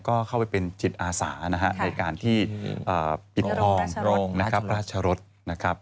ก็เข้าไปเป็นจิตอาสานะฮะในการที่ปิดทองโรงนะครับราชรสนะครับ